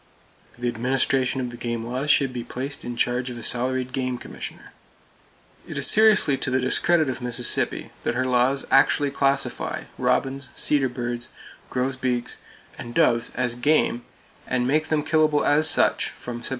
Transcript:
The administration of the game laws should be placed in charge of a salaried game commissioner. It is seriously to the discredit of Mississippi that her laws actually classify robins, cedar birds, grosbeaks and doves as "game," and make them killable as such from Sept.